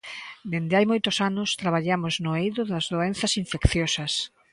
Dende hai moitos anos traballamos no eido das doenzas infecciosas.